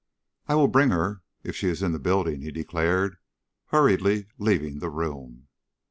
"I will bring her if she is in the building," he declared, hurriedly leaving the room.